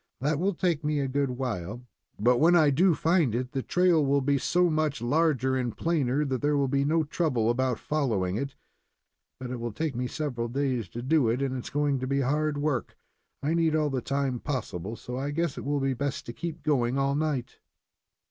"That will take me a good while, but when I do find it, the trail will be so much larger and plainer that there will be no trouble about following it, but it will take me several days to do it, and it is going to be hard work. I need all the time possible, so I guess it will be best to keep going all night."